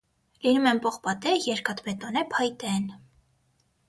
Լինում են պողպատե, երկաթբետոնե, փայտե են։